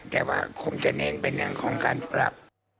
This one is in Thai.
แต่ว่าคงจะเน้นไปเรื่องของการปรับ